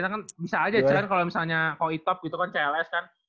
ya kan bisa aja kan kalo misalnya kalau itop gitu kan cls kan